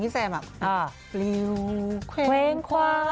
ที่ซ้อมเต้นเป็นเดือนอะ